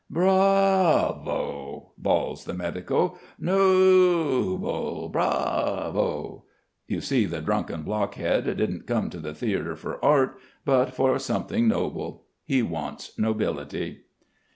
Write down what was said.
"'Brrravo!' bawls the medico. 'No ble. Bravo.' You see the drunken blockhead didn't come to the theatre for art, but for something noble. He wants nobility."